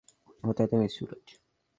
কোথায় তুমি, সুরাজ?